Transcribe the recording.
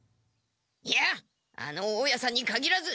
いやあの大家さんにかぎらず。